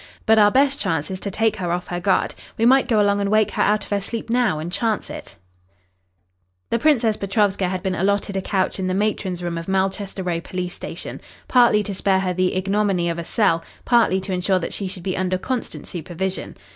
But our best chance is to take her off her guard. We might go along and wake her out of her sleep now and chance it." The Princess Petrovska had been allotted a couch in the matron's room of Malchester Row police station, partly to spare her the ignominy of a cell, partly to ensure that she should be under constant supervision.